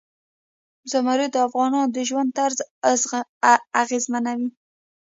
زمرد د افغانانو د ژوند طرز اغېزمنوي.